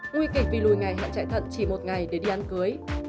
nguy kịch vì lùi ngày hạn chạy thận chỉ một ngày để đi ăn cưới